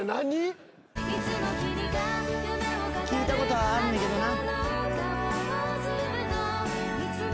聞いたことはあんねんけどな。